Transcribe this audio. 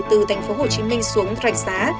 từ tp hcm xuống rạch xá